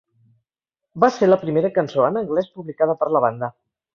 Va ser la primera cançó en anglès publicada per la banda.